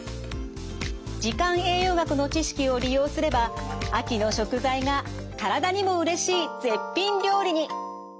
時間栄養学の知識を利用すれば秋の食材が体にもうれしい絶品料理に！